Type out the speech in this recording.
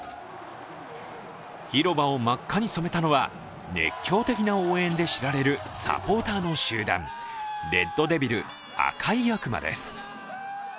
広場を真っ赤に染めたのは熱狂的な応援で知られるサポーターの集団レッドデビル＝赤い悪魔です。